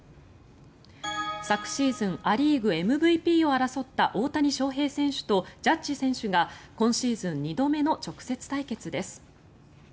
昨シーズンア・リーグＭＶＰを争った大谷翔平選手とジャッジ選手が今シーズン２度目の直接対決です。